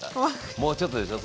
もうちょっとでしょ？